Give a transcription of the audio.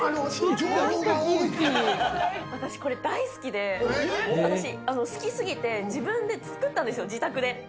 私、これ、大好きで、私、好きすぎて自分で作ったんですよ、自宅で。